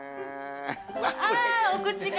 あお口が。